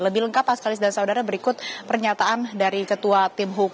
lebih lengkap sekali sedara sedara berikut pernyataan dari ketua tim hukum partai demokrasi indonesia perjuangan